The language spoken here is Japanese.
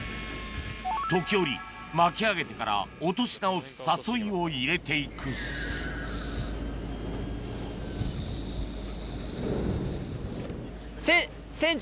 時折巻き上げてから落とし直す誘いを入れて行く船長